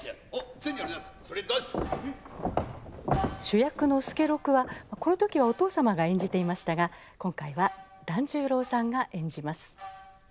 主役の助六はこの時はお父様が演じていましたが今回は團十郎さんが演じます。